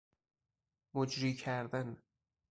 مجری کردن